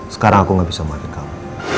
sekarang aku gak bisa mati kamu